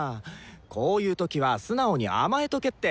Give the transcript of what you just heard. こういう時は素直に甘えとけって！